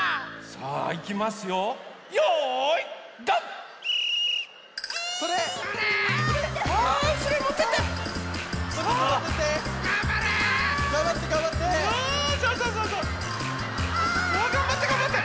さあがんばってがんばって！